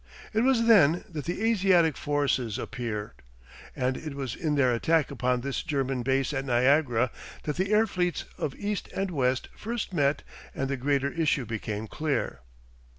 It was then that the Asiatic forces appeared, and it was in their attack upon this German base at Niagara that the air fleets of East and West first met and the greater issue became clear.